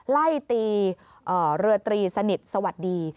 ไล่ตีเรือตรีสนิทสวัสดี